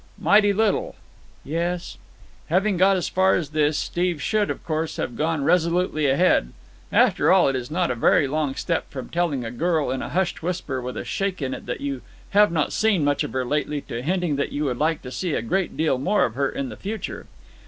"Mighty little." "Yes." Having got as far as this, Steve should, of course, have gone resolutely ahead. After all, it is not a very long step from telling a girl in a hushed whisper with a shake in it that you have not seen much of her lately to hinting that you would like to see a great deal more of her in the future.